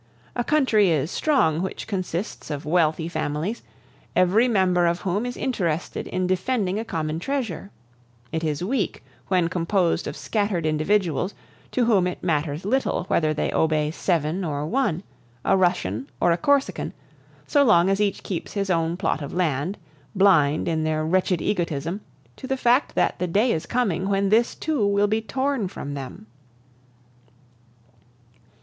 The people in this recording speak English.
A country is strong which consists of wealthy families, every member of whom is interested in defending a common treasure; it is weak when composed of scattered individuals, to whom it matters little whether they obey seven or one, a Russian or a Corsican, so long as each keeps his own plot of land, blind, in their wretched egotism, to the fact that the day is coming when this too will be torn from them.